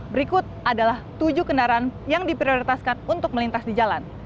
berikut adalah tujuh kendaraan yang diprioritaskan untuk melintas di jalan